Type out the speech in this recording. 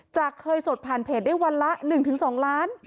เคยสดผ่านเพจได้วันละ๑๒ล้าน